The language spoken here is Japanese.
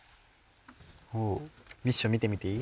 ミッション見てみていい？